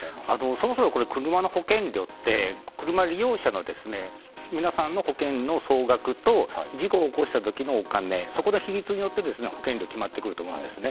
そもそも、車の保険料って車の利用者の皆さんの保険の総額と事故を起こした時のお金そこの比率によって保険料が決まってくると思うんですね。